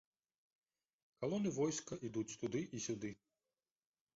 Калоны войска ідуць туды і сюды.